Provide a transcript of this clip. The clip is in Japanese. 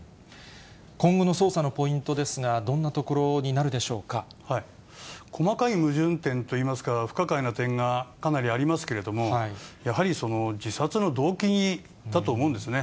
今後の捜査のポイントですが、細かい矛盾点といいますか、不可解な点がかなりありますけれども、やはり自殺の動機だと思うんですね。